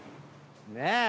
ねえ。